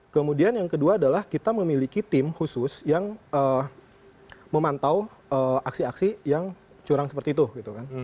kemudian yang kedua adalah kita memiliki tim khusus yang memantau aksi aksi yang curang seperti itu gitu kan